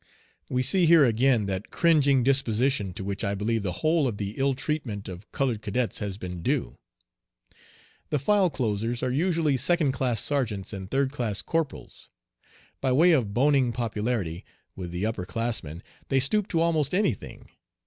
We see here again that cringing disposition to which I believe the whole of the ill treatment of colored cadets has been due. The file closers are usually second class sergeants and third class corporals. By way of "boning popularity" with the upper classmen, they stoop to almost any thing.